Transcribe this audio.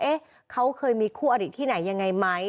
แปลว่าเขาเคยมีคู่อดีตที่ไหนยังไงไหม